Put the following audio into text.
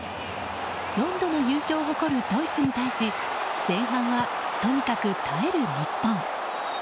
４度の優勝を誇るドイツに対し前半はとにかく耐える日本。